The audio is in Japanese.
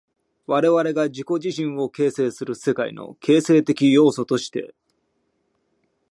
我々が自己自身を形成する世界の形成的要素として、